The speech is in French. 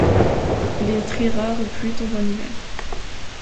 Les très rares pluies tombent en hiver.